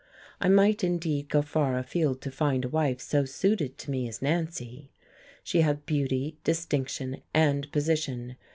I might indeed go far afield to find a wife so suited to me as Nancy. She had beauty, distinction, and position.